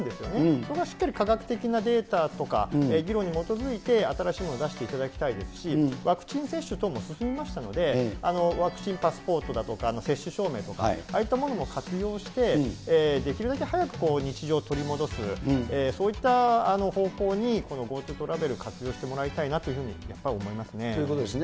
そこはしっかり科学的なデータとか議論に基づいて新しいものを出していただきたいですし、ワクチン接種等も進みましたので、ワクチンパスポートだとか、接種証明とか、ああいったものも活用して、できるだけ早く日常を取り戻す、そういった方向にこのＧｏＴｏトラベル、活用してもらいたいなということですね。